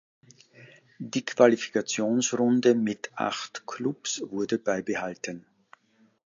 Die Qualifikationsrunde mit acht Klubs wurde beibehalten.